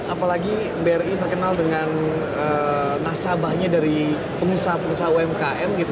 apalagi bri terkenal dengan nasabahnya dari pengusaha pengusaha umkm gitu